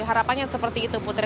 harapannya seperti itu putri